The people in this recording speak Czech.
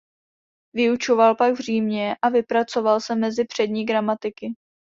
Vyučoval pak v Římě a vypracoval se mezi přední gramatiky.